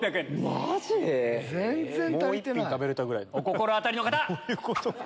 マジ⁉お心当たりの方！